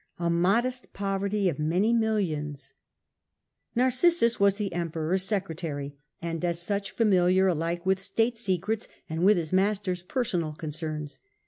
A modest poverty of many millions ! Narcissus was the EmperoPs secretary, and as such familiar alike with state secrets and with his mastePs per sonal concerns.